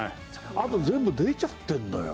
あと全部出ちゃってるんだよ。